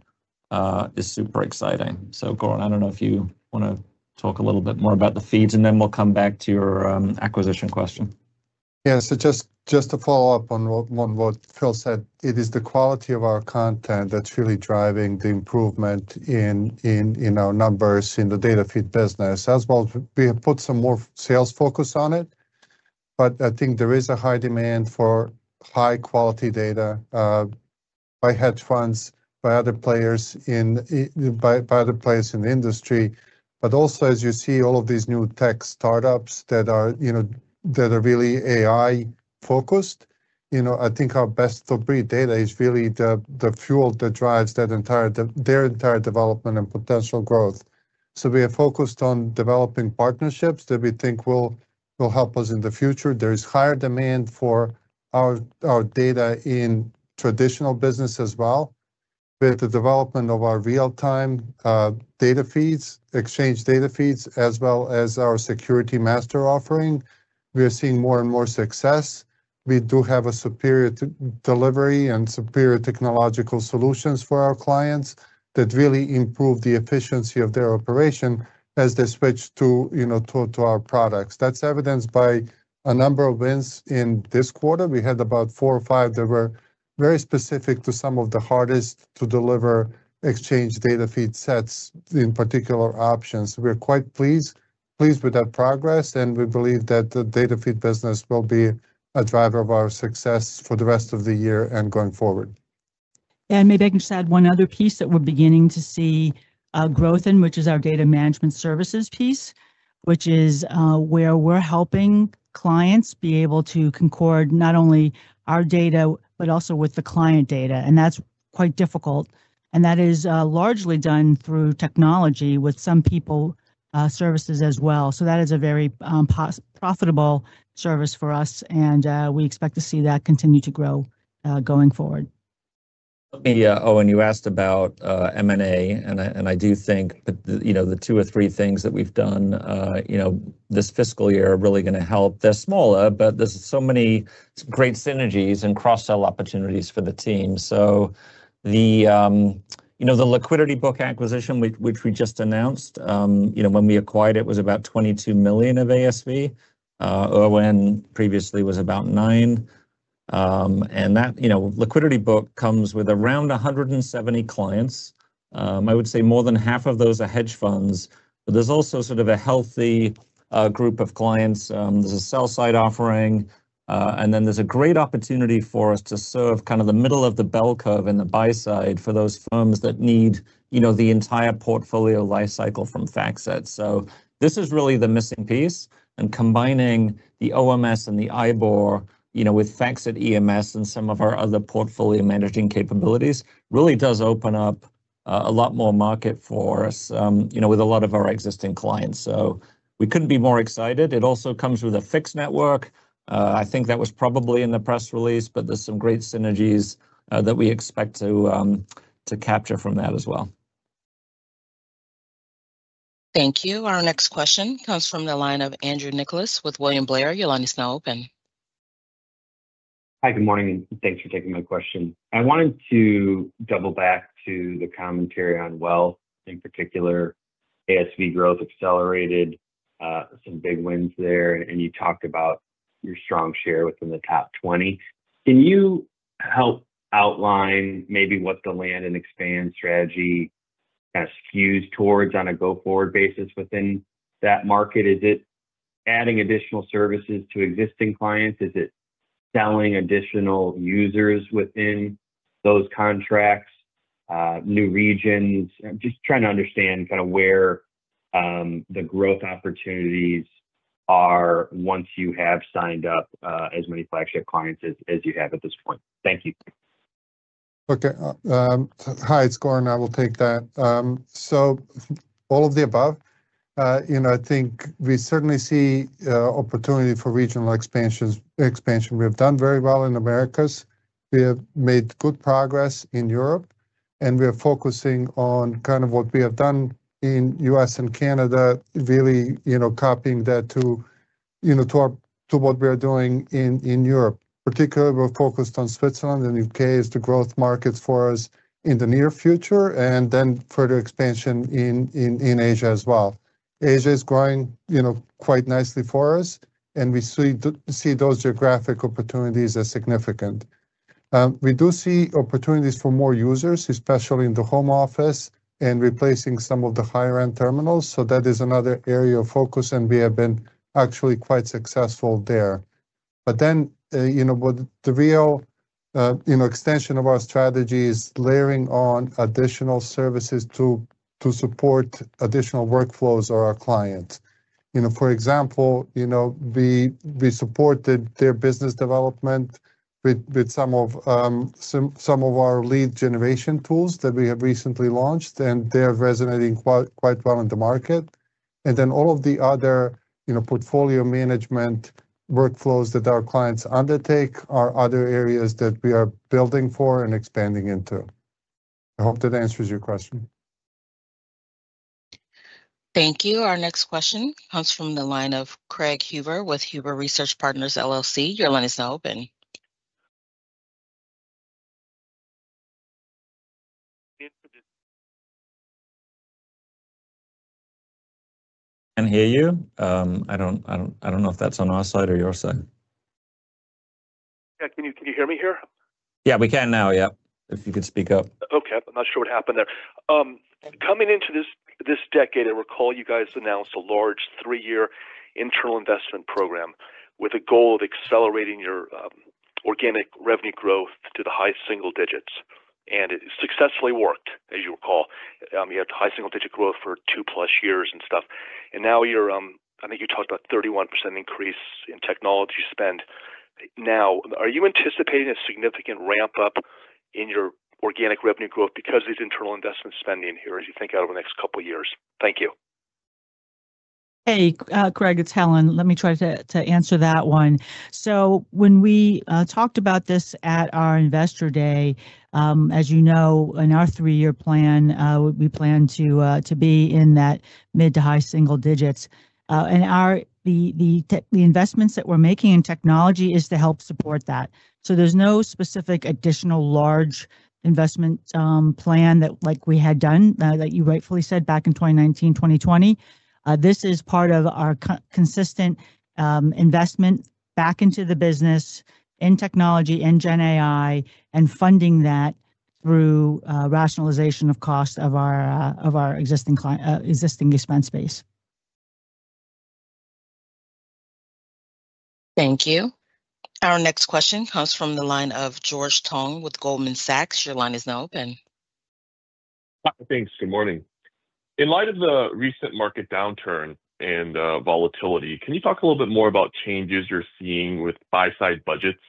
is super exciting. Goran, I don't know if you want to talk a little bit more about the feeds, and then we'll come back to your acquisition question. Yeah, just to follow up on what Phil said, it is the quality of our content that's really driving the improvement in our numbers in the data feed business. As well, we have put some more sales focus on it. I think there is a high demand for high-quality data by hedge funds, by other players in the industry. Also, as you see, all of these new tech startups that are really AI-focused, I think our best-of-breed data is really the fuel that drives their entire development and potential growth. We are focused on developing partnerships that we think will help us in the future. There is higher demand for our data in traditional business as well. With the development of our real-time data feeds, exchange data feeds, as well as our security master offering, we are seeing more and more success. We do have a superior delivery and superior technological solutions for our clients that really improve the efficiency of their operation as they switch to our products. That is evidenced by a number of wins in this quarter. We had about four or five that were very specific to some of the hardest-to-deliver exchange data feed sets, in particular options. We are quite pleased with that progress, and we believe that the data feed business will be a driver of our success for the rest of the year and going forward. Maybe I can just add one other piece that we're beginning to see growth in, which is our data management services piece, which is where we're helping clients be able to concord not only our data, but also with the client data. That is quite difficult. That is largely done through technology with some people services as well. That is a very profitable service for us, and we expect to see that continue to grow going forward. Owen, you asked about M&A, and I do think the two or three things that we've done this fiscal year are really going to help. They're smaller, but there's so many great synergies and cross-sell opportunities for the team. The LiquidityBook acquisition, which we just announced, when we acquired it, was about $22 million of ASV. Irwin previously was about $9 million. That LiquidityBook comes with around 170 clients. I would say more than half of those are hedge funds. There is also sort of a healthy group of clients. There is a sell-side offering, and then there is a great opportunity for us to serve kind of the middle of the bell curve and the buy-side for those firms that need the entire portfolio lifecycle from FactSet. This is really the missing piece. Combining the OMS and the IBOR with FactSet EMS and some of our other portfolio managing capabilities really does open up a lot more market for us with a lot of our existing clients. We could not be more excited. It also comes with a FIX network. I think that was probably in the press release, but there are some great synergies that we expect to capture from that as well. Thank you. Our next question comes from the line of Andrew Nicholas with William Blair. Your line is now open. Hi, good morning, and thanks for taking my question. I wanted to double back to the commentary on wealth, in particular, ASV growth accelerated, some big wins there, and you talked about your strong share within the top 20. Can you help outline maybe what the land and expand strategy kind of skews towards on a go-forward basis within that market? Is it adding additional services to existing clients? Is it selling additional users within those contracts, new regions? I am just trying to understand kind of where the growth opportunities are once you have signed up as many flagship clients as you have at this point. Thank you. Okay. Hi, it is Goran. I will take that. All of the above, I think we certainly see opportunity for regional expansion. We have done very well in the Americas. We have made good progress in Europe, and we are focusing on kind of what we have done in the U.S. and Canada, really copying that to what we are doing in Europe. Particularly, we're focused on Switzerland, and the U.K. is the growth market for us in the near future, and then further expansion in Asia as well. Asia is growing quite nicely for us, and we see those geographic opportunities as significant. We do see opportunities for more users, especially in the home office and replacing some of the higher-end terminals. That is another area of focus, and we have been actually quite successful there. The real extension of our strategy is layering on additional services to support additional workflows or our clients. For example, we supported their business development with some of our lead generation tools that we have recently launched, and they are resonating quite well in the market. All of the other portfolio management workflows that our clients undertake are other areas that we are building for and expanding into. I hope that answers your question. Thank you. Our next question comes from the line of Craig Huber with Huber Research Partners. Your line is now open. Can't hear you. I do not know if that is on our side or your side. Yeah, can you hear me here? Yeah, we can now, yeah, if you could speak up. Okay. I am not sure what happened there. Coming into this decade, I recall you guys announced a large three-year internal investment program with a goal of accelerating your organic revenue growth to the high single digits. It successfully worked, as you recall. You had high single-digit growth for two-plus years and stuff. I think you talked about a 31% increase in technology spend. Are you anticipating a significant ramp-up in your organic revenue growth because of these internal investment spending here, as you think out over the next couple of years? Thank you. Hey, Craig, it's Helen. Let me try to answer that one. When we talked about this at our investor day, as you know, in our three-year plan, we plan to be in that mid to high single digits. The investments that we're making in technology is to help support that. There is no specific additional large investment plan that we had done, like you rightfully said back in 2019, 2020. This is part of our consistent investment back into the business in technology and GenAI and funding that through rationalization of costs of our existing expense base. Thank you. Our next question comes from the line of George Tong with Goldman Sachs. Your line is now open. Hi, thanks. Good morning. In light of the recent market downturn and volatility, can you talk a little bit more about changes you're seeing with buy-side budgets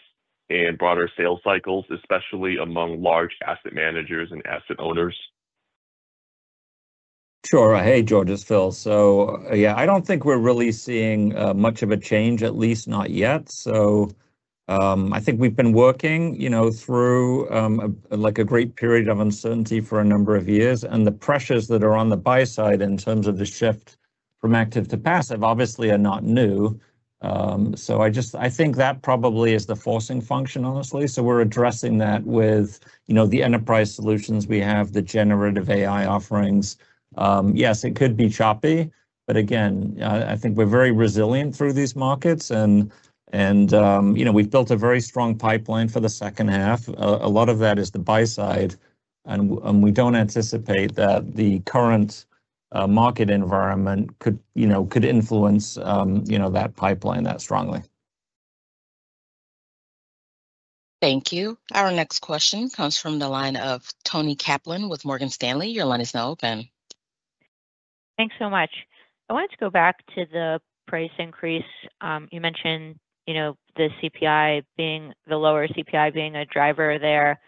and broader sales cycles, especially among large asset managers and asset owners? Sure. Hey, George, it's Phil. Yeah, I don't think we're really seeing much of a change, at least not yet. I think we've been working through a great period of uncertainty for a number of years. The pressures that are on the buy-side in terms of the shift from active to passive obviously are not new. I think that probably is the forcing function, honestly. We're addressing that with the enterprise solutions we have, the generative AI offerings. Yes, it could be choppy. Again, I think we're very resilient through these markets. We've built a very strong pipeline for the second half. A lot of that is the buy-side. We don't anticipate that the current market environment could influence that pipeline that strongly. Thank you. Our next question comes from the line of Toni Kaplan with Morgan Stanley. Your line is now open. Thanks so much. I wanted to go back to the price increase. You mentioned the CPI, the lower CPI being a driver there.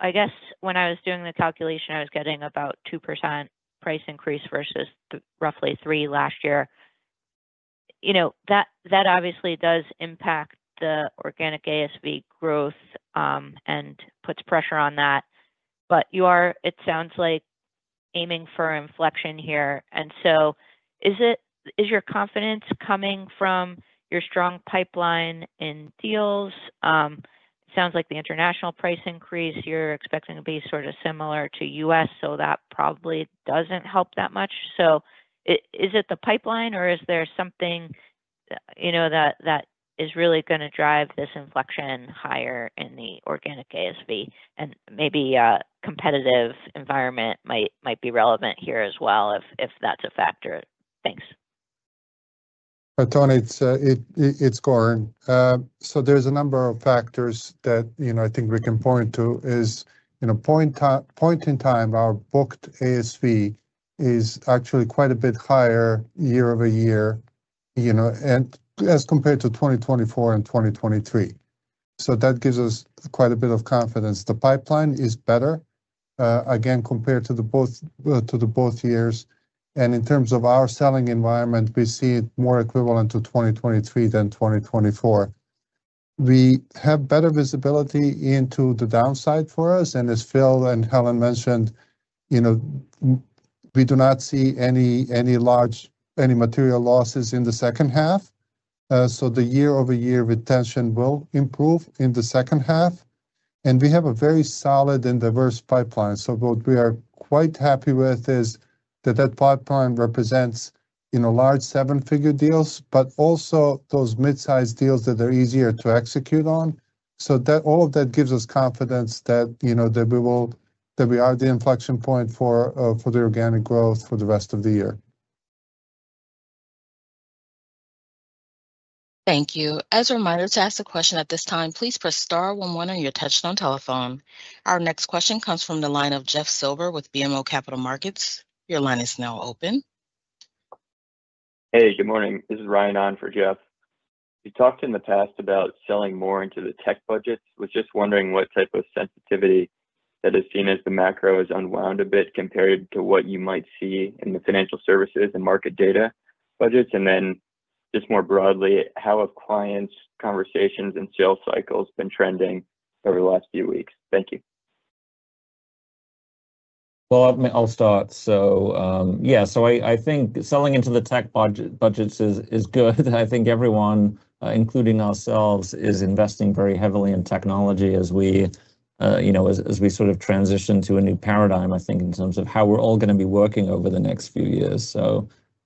I guess when I was doing the calculation, I was getting about 2% price increase versus roughly 3% last year. That obviously does impact the organic ASV growth and puts pressure on that. You are, it sounds like, aiming for inflection here. Is your confidence coming from your strong pipeline in deals? It sounds like the international price increase you are expecting to be sort of similar to U.S., so that probably does not help that much. Is it the pipeline, or is there something that is really going to drive this inflection higher in the organic ASV? A competitive environment might be relevant here as well if that is a factor. Thanks. Toni, it is Goran. There are a number of factors that I think we can point to. At this point in time, our booked ASV is actually quite a bit higher year over year as compared to 2024 and 2023. That gives us quite a bit of confidence. The pipeline is better, again, compared to both years. In terms of our selling environment, we see it more equivalent to 2023 than 2024. We have better visibility into the downside for us. As Phil and Helen mentioned, we do not see any material losses in the second half. The year-over-year retention will improve in the second half. We have a very solid and diverse pipeline. What we are quite happy with is that pipeline represents large seven-figure deals, but also those mid-size deals that are easier to execute on. All of that gives us confidence that we are at the inflection point for the organic growth for the rest of the year. Thank you. As a reminder to ask the question at this time, please press star one one on your Touch-Tone telephone. Our next question comes from the line of Jeff Silber with BMO Capital Markets. Your line is now open. Hey, good morning. This is Ryan on for Jeff. You talked in the past about selling more into the tech budgets. I was just wondering what type of sensitivity that is seen as the macro has unwound a bit compared to what you might see in the financial services and market data budgets. Just more broadly, how have clients' conversations and sales cycles been trending over the last few weeks? Thank you. I'll start. I think selling into the tech budgets is good. I think everyone, including ourselves, is investing very heavily in technology as we sort of transition to a new paradigm, I think, in terms of how we're all going to be working over the next few years.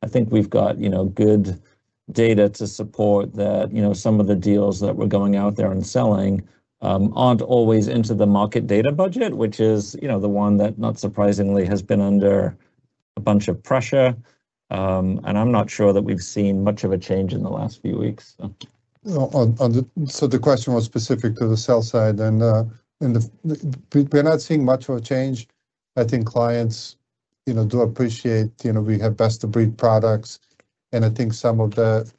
I think we've got good data to support that some of the deals that we're going out there and selling aren't always into the market data budget, which is the one that, not surprisingly, has been under a bunch of pressure. I'm not sure that we've seen much of a change in the last few weeks. The question was specific to the sell side. We're not seeing much of a change. I think clients do appreciate we have best-of-breed products. I think some of the,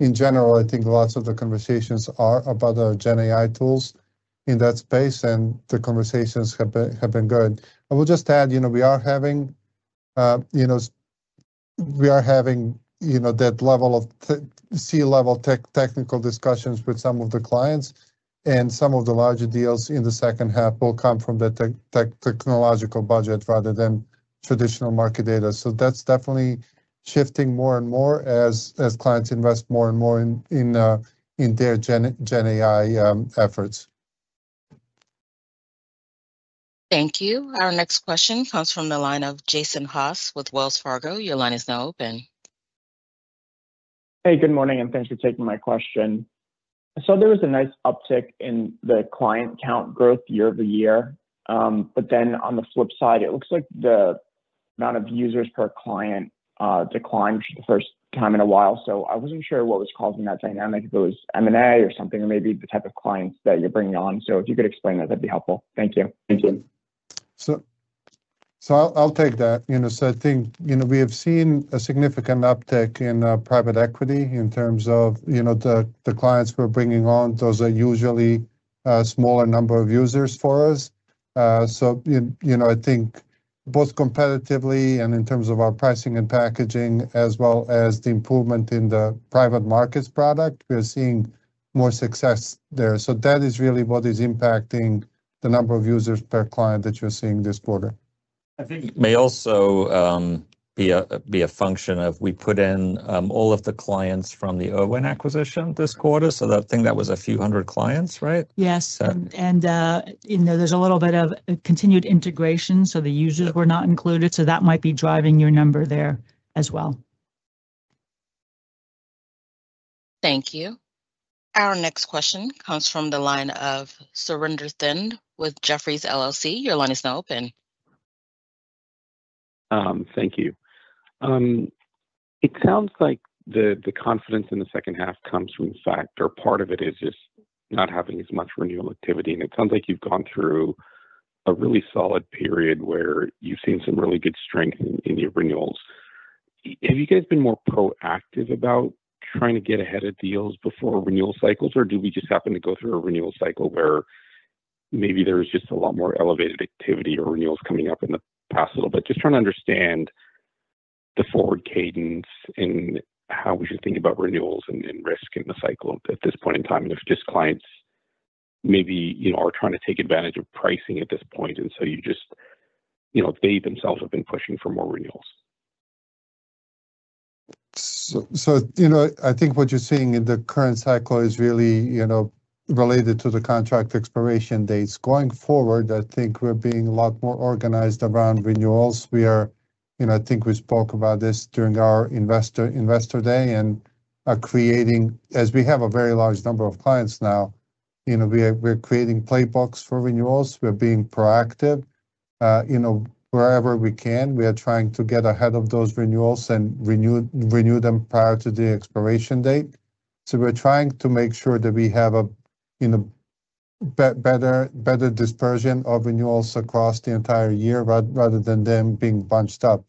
in general, I think lots of the conversations are about our GenAI tools in that space. The conversations have been good. I will just add, we are having that level of C-level technical discussions with some of the clients. Some of the larger deals in the second half will come from the technological budget rather than traditional market data. That is definitely shifting more and more as clients invest more and more in their GenAI efforts. Thank you. Our next question comes from the line of Jason Haas with Wells Fargo. Your line is now open. Hey, good morning, and thanks for taking my question. I saw there was a nice uptick in the client count growth year over year. On the flip side, it looks like the amount of users per client declined for the first time in a while. I was not sure what was causing that dynamic, if it was M&A or something, or maybe the type of clients that you are bringing on. If you could explain that, that would be helpful. Thank you. Thank you. I will take that. I think we have seen a significant uptick in private equity in terms of the clients we're bringing on. Those are usually a smaller number of users for us. I think both competitively and in terms of our pricing and packaging, as well as the improvement in the private markets product, we are seeing more success there. That is really what is impacting the number of users per client that you're seeing this quarter. I think it may also be a function of we put in all of the clients from the Irwin acquisition this quarter. I think that was a few hundred clients, right? Yes. There's a little bit of continued integration. The users were not included. That might be driving your number there as well. Thank you. Our next question comes from the line of Surinder Thind with Jefferies. Your line is now open. Thank you. It sounds like the confidence in the second half comes from the fact or part of it is just not having as much renewal activity. It sounds like you've gone through a really solid period where you've seen some really good strength in your renewals. Have you guys been more proactive about trying to get ahead of deals before renewal cycles? Or do we just happen to go through a renewal cycle where maybe there's just a lot more elevated activity or renewals coming up in the past little bit? Just trying to understand the forward cadence and how we should think about renewals and risk in the cycle at this point in time. If just clients maybe are trying to take advantage of pricing at this point, and so you just, they themselves have been pushing for more renewals. I think what you're seeing in the current cycle is really related to the contract expiration dates. Going forward, I think we're being a lot more organized around renewals. I think we spoke about this during our investor day. As we have a very large number of clients now, we're creating playbooks for renewals. We're being proactive. Wherever we can, we are trying to get ahead of those renewals and renew them prior to the expiration date. We're trying to make sure that we have a better dispersion of renewals across the entire year rather than them being bunched up.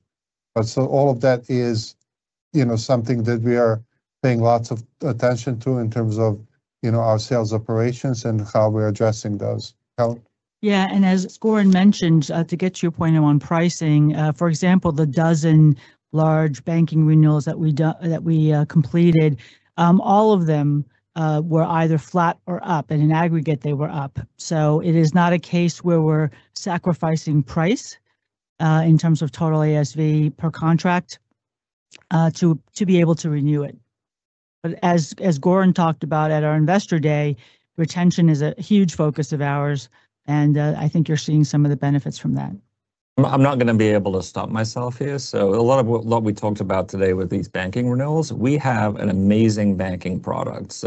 All of that is something that we are paying lots of attention to in terms of our sales operations and how we're addressing those. Yeah. As Goran mentioned, to get to your point on pricing, for example, the dozen large banking renewals that we completed, all of them were either flat or up. In aggregate, they were up. It is not a case where we're sacrificing price in terms of total ASV per contract to be able to renew it. As Goran talked about at our investor day, retention is a huge focus of ours. I think you're seeing some of the benefits from that. I'm not going to be able to stop myself here. A lot of what we talked about today with these banking renewals, we have an amazing banking product.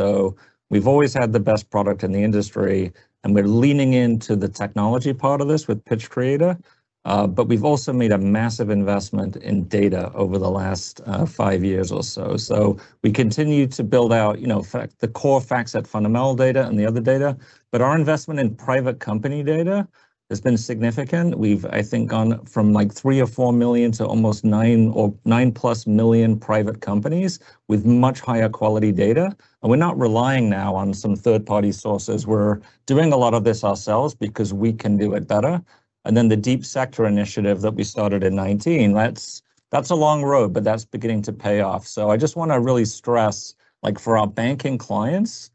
We've always had the best product in the industry. We're leaning into the technology part of this with Pitch Creator. We have also made a massive investment in data over the last five years or so. We continue to build out the core FactSet fundamental data and the other data. Our investment in private company data has been significant. I think we have gone from like three or four million to almost nine plus million private companies with much higher quality data. We are not relying now on some third-party sources. We are doing a lot of this ourselves because we can do it better. The deep sector initiative that we started in 2019, that is a long road, but that is beginning to pay off. I just want to really stress for our banking clients,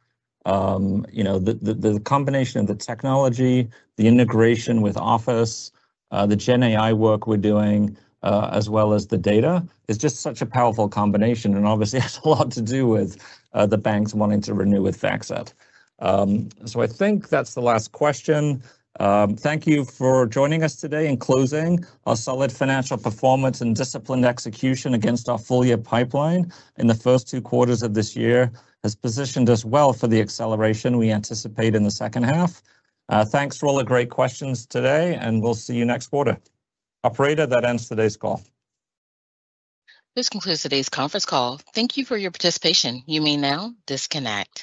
the combination of the technology, the integration with Office, the GenAI work we are doing, as well as the data, is just such a powerful combination. It has a lot to do with the banks wanting to renew with FactSet. I think that's the last question. Thank you for joining us today. In closing, our solid financial performance and disciplined execution against our full-year pipeline in the first two quarters of this year has positioned us well for the acceleration we anticipate in the second half. Thanks for all the great questions today. We'll see you next quarter. Operator, that ends today's call. This concludes today's conference call. Thank you for your participation. You may now disconnect.